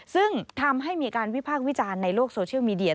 ซึ่งทำให้มีการวิพากษ์วิจารณ์ในโลกโซเชียลมีเดีย